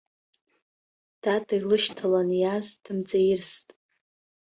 Тата илышьҭалан иааз дымҵаирст.